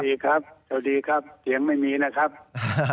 เสียงไม่มีนะครับ